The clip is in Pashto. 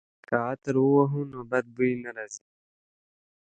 که عطر ووهو نو بد بوی نه راځي.